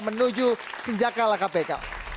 menuju senjaka laka pk